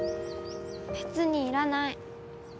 べつにいらない